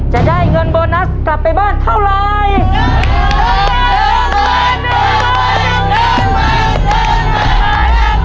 จะได้เงินโบนัสกลับไปบ้านเท่าไร